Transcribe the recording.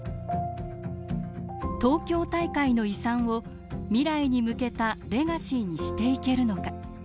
東京大会の遺産を未来に向けたレガシーにしていけるのか。